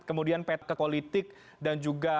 ke politik dan juga